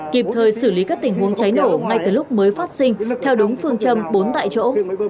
kịp thời xử lý các tình huống cháy nổ ngay từ lúc mới phát sinh theo đúng phương châm bốn tại chỗ